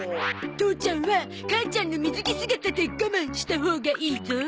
父ちゃんは母ちゃんの水着姿で我慢したほうがいいゾ！